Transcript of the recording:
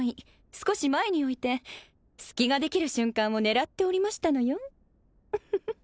少し前に置いて隙ができる瞬間を狙っておりましたのよウフフ